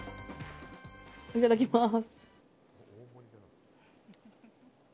いただきます。